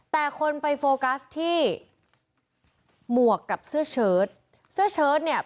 แต่คนไปโฟกัสที่หมวกกับเสื้อเชิดเสื้อเชิดเนี่ย